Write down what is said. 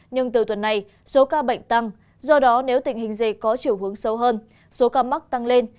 nhưng từ tuần này số ca bệnh tăng do đó nếu tình hình gì có chiều hướng sâu hơn số ca mắc tăng lên